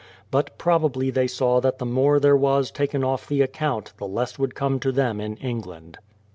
But probably they saw that the more there was taken off the account the less would come to them in England.